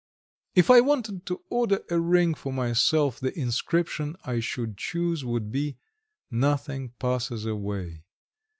XX If I wanted to order a ring for myself, the inscription I should choose would be: "Nothing passes away."